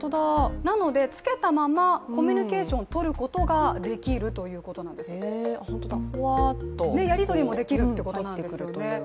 なので、つけたまま、コミュニケーションをとることができるんですやり取りもできるということなんですよね。